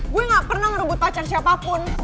gue gak pernah ngerebut pacar siapapun